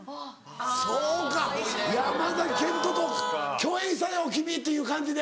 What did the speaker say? そうか「山賢人と共演したよ君」っていう感じで。